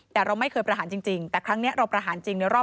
แต่เราไม่เคยประหารจริง